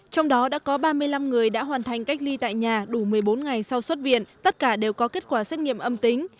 trong đó đã có ba mươi năm người đã hoàn thành cách ly tại nhà đủ một mươi bốn ngày sau xuất viện tất cả đều có kết quả xét nghiệm âm tính